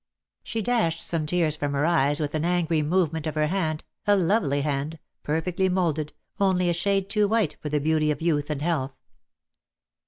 She dashed some tears from her eyes with an angry movement of her hand, a lovely hand, per fectly moulded, only a shade too white for the beauty of youth and health.